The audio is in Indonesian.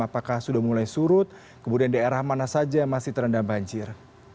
apakah sudah mulai surut kemudian di arah mana saja masih terendam banjir